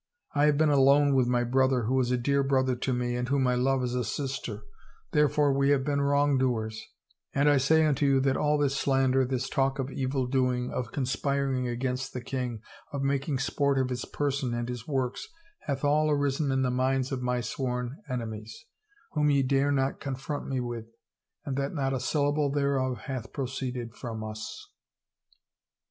I have been alone with my brother, who is a dear brother to me and whom I love as a sister, therefore we have been wrongdoers 1 And I say unto you that all this slander, this talk of evil doing, of conspiring against the king, of making sport of his person and his works, hath all arisen in the minds of my sworn enemies, whom ye dare not confront me with, and that not a syllable thereof hath proceeded from us.